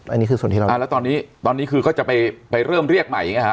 อันนี้คือส่วนที่เราอ่าแล้วตอนนี้ตอนนี้คือก็จะไปเริ่มเรียกใหม่อย่างเงี้ฮะ